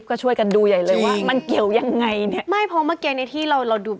ก็ช่วยกันดูใหญ่เลยว่ามันเกี่ยวยังไงเนี่ยไม่เพราะเมื่อกี้ในที่เราเราดู